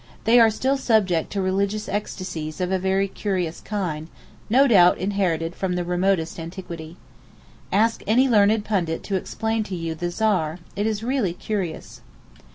They are still subject to religious ecstasies of a very curious kind, no doubt inherited from the remotest antiquity. Ask any learned pundit to explain to you the Zar—it is really curious.